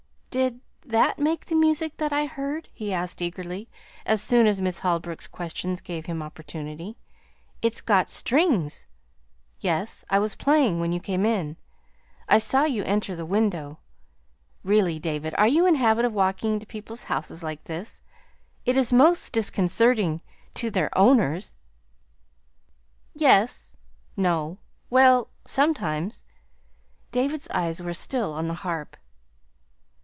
"Did that make the music that I heard?" he asked eagerly, as soon as Miss Holbrook's questions gave him opportunity. "It's got strings." "Yes. I was playing when you came in. I saw you enter the window. Really, David, are you in the habit of walking into people's houses like this? It is most disconcerting to their owners." "Yes no well, sometimes." David's eyes were still on the harp.